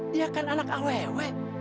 dia kan anak awewe